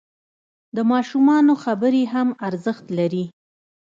د ماشومانو خبرې هم ارزښت لري.